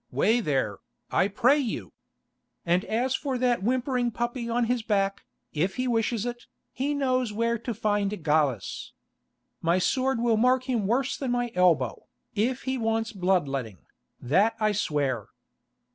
Way there, I pray you! And as for that whimpering puppy on his back, if he wishes it, he knows where to find Gallus. My sword will mark him worse than my elbow, if he wants blood letting, that I swear."